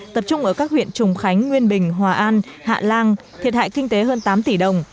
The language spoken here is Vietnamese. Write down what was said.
tập trung ở các huyện trùng khánh nguyên bình hòa an hạ lan thiệt hại kinh tế hơn tám tỷ đồng